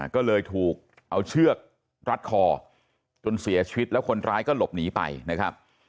ก็เลยถูกเอาเชือกรัดคอจนเสียชีวิตแล้วคนร้ายก็หลบหนีไปนะครับ